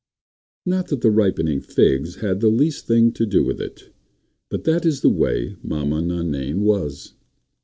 Not that the ripening of figs had the least thing to do with it, but that is the way Maman Nainaine was.